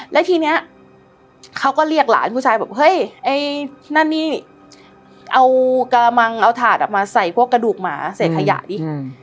แล้วทีนี้เขาก็เรียกหลานผู้ชายบอกเฮ้ยไอ้นั่นนี่เอากระมังเอาถาดมาใส่พวกกระดูกหมาใส่ขยะดิ